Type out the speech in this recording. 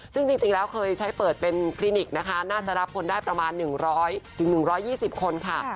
ซึ่งจริงแล้วเคยใช้เปิดเป็นคลินิกนะคะน่าจะรับคนได้ประมาณ๑๐๐๑๒๐คนค่ะ